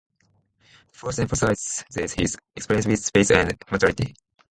The fourth emphasizes his experience with space and materiality.